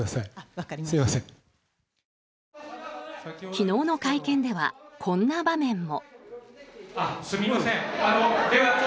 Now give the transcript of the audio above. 昨日の会見ではこんな場面も。